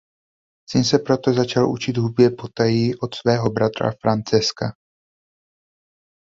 Syn se proto začal učit hudbě potají od svého bratra Francesca.